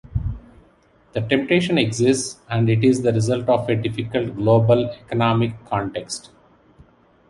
The temptation exists, and it is the result of a difficult global economic context.